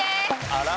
あら？